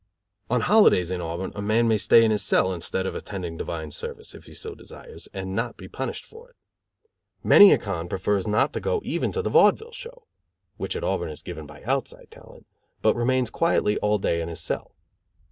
On holidays in Auburn a man may stay in his cell instead of attending divine service, if he so desires, and not be punished for it. Many a con prefers not to go even to the vaudeville show, which at Auburn is given by outside talent, but remains quietly all day in his cell.